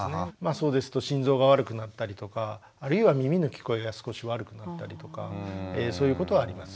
そうですと心臓が悪くなったりとかあるいは耳の聞こえが少し悪くなったりとかそういうことはあります。